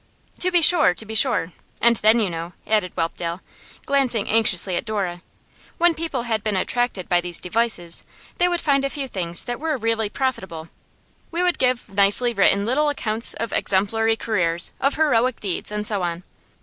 'To be sure, to be sure. And then, you know,' added Whelpdale, glancing anxiously at Dora, 'when people had been attracted by these devices, they would find a few things that were really profitable. We would give nicely written little accounts of exemplary careers, of heroic deeds, and so on.